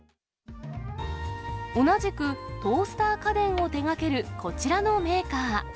同じくトースター家電を手がけるこちらのメーカー。